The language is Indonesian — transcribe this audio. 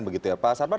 begitu ya pak sarman